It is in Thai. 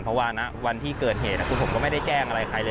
เพราะว่าวันที่เกิดเหตุคือผมก็ไม่ได้แจ้งอะไรใครเลย